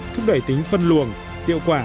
thúc đẩy tính phân luồng tiệu quả